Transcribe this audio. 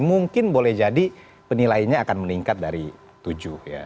mungkin boleh jadi penilainya akan meningkat dari tujuh ya